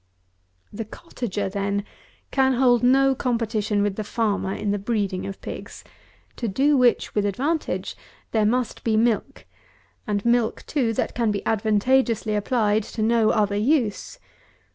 142. The Cottager, then, can hold no competition with the Farmer in the breeding of pigs, to do which, with advantage, there must be milk, and milk, too, that can be advantageously applied to no other use.